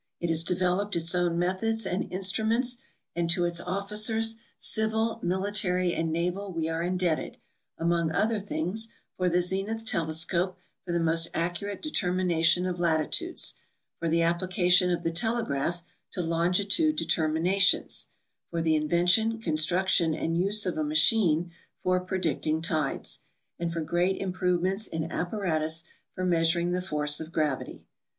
It has developed its own methods and instruments, and to its officers, civil, militar}', and naval, we are indebted, among other things, for the zenith telescope for the most accurate deter mination of latitudes ; for the application of the telegraph to longitude determinations ; for the invention, construction, and use of a machine for predicting tides, and for great improvements in apparatus for measuring the force of gravity.